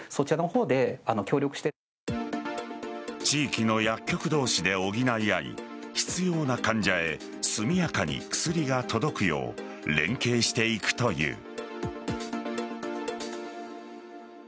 地域の薬局同士で補い合い必要な患者へ速やかに薬が届くよう連携していくという。